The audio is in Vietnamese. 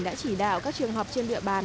đã chỉ đạo các trường hợp trên địa bàn